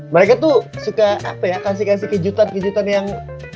mereka tuh suka apa ya kasih kasih kejutan kejutan yang